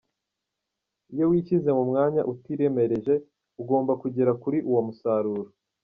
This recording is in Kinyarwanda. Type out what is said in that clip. Iyo wishyize mu mwanya utiremereje ugomba kugera kuri uwo musaruro.